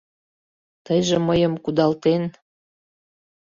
Тыйже мыйым, кудалтен